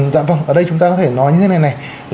dạ vâng ở đây chúng ta có thể nói như thế này này